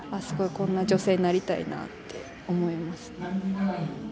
すごいこんな女性になりたいなって思います。